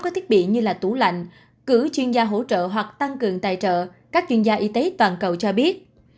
các thiết bị như là tủ lạnh cử chuyên gia hỗ trợ hoặc tăng cường tài trợ các chuyên gia y tế toàn cầu cho biết